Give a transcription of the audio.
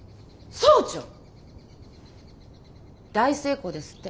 大成功ですって。